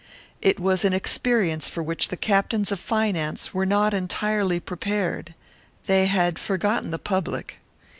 It was an experience for which the captains of finance were not entirely prepared; they had forgotten the public.